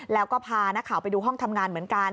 แล้วก็พานักข่าวไปดูห้องทำงานเหมือนกัน